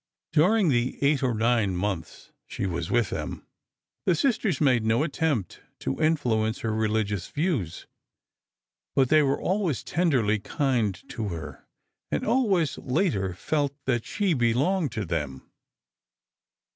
During the eight or nine months she was with them, the sisters made no attempt to influence her religious views, but they were always tenderly kind to her, and always later felt that she belonged to them.